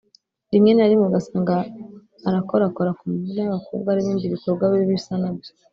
rimwe na rimwe ugasanga arakorakora ku mabuno y’abakobwa n’ibindi bikorwa bibi bisa n’ibyo